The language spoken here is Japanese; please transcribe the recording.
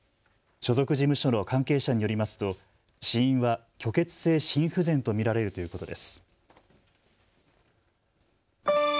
所属事務所の関係者によりますと死因は虚血性心不全と見られるということです。